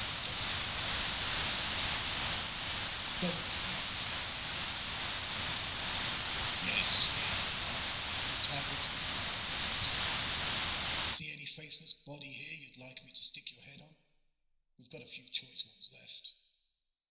"Duncan, Duncan, Duncan," he said, scanning the list. "Yes here you are. You're entitled to be immortalized. See any faceless body here you'd like me to stick your head on? We've got a few choice ones left."